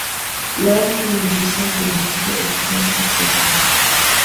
Lwaki wejjusa nga omaze okubaako ky'okola?